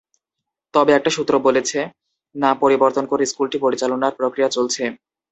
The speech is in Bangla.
তবে একটি সূত্র বলেছে, নাম পরিবর্তন করে স্কুলটি পরিচালনার প্রক্রিয়া চলছে।